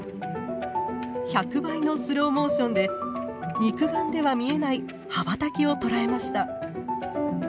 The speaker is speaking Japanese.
１００倍のスローモーションで肉眼では見えない羽ばたきを捉えました。